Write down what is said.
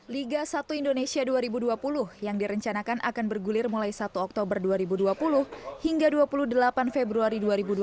liga satu indonesia dua ribu dua puluh yang direncanakan akan bergulir mulai satu oktober dua ribu dua puluh hingga dua puluh delapan februari dua ribu dua puluh